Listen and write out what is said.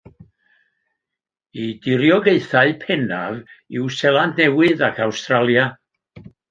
Ei diriogaethau pennaf yw Seland Newydd ac Awstralia.